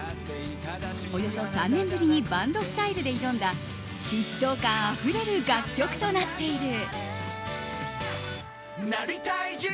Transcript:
およそ３年ぶりにバンドスタイルで挑んだ疾走感あふれる楽曲となっている。